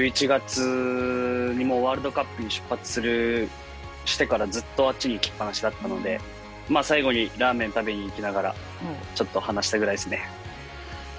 １１月にＷ杯に出発してからずっとあっちに行きっぱなしだったので最後にラーメン食べに行きながらちょっと話したぐらいですね。